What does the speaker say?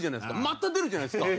また出るじゃないですか。